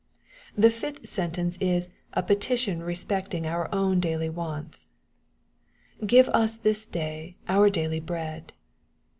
The fifth sentence is a petition respecting our ovm daily wants: " give us this day our daily bread."